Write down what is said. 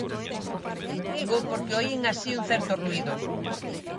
Dígoo porque oín así un certo ruído.